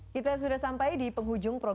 kita sudah sampai di penghujung program buku ini